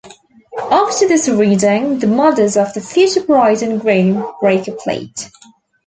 After this reading, the mothers of the future bride and groom break a plate.